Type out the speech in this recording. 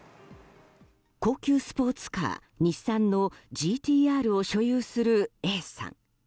高級スポーツカー日産のＧＴ‐Ｒを所有するＡさん。